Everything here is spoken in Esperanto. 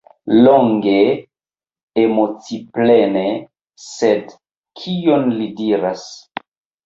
Longe, emociplene, sed kion li diras?